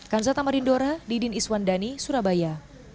kanza tamarindora didin iswandani surabaya